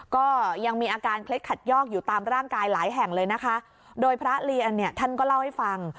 ก็ยังมีอาการเคล็ดขัดยอกอยู่ตามร่างกายหลายแห่งเลยนะคะโดยพระเรียนเนี่ยท่านก็เล่าให้ฟัง